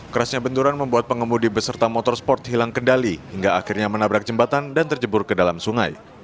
kerasnya benturan membuat pengemudi beserta motorsport hilang kendali hingga akhirnya menabrak jembatan dan terjebur ke dalam sungai